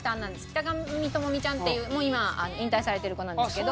北神朋美ちゃんっていうもう今引退されてる子なんですけど。